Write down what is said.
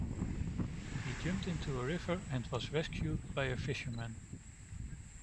He jumped into a river and was rescued by a fisherman.